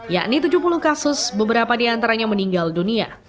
yakni tujuh puluh kasus beberapa di antaranya meninggal dunia